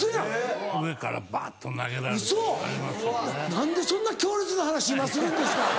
何でそんな強烈な話今するんですか！